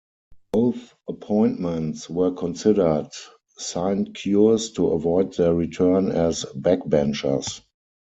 Both appointments were considered sinecures to avoid their return as 'backbenchers'.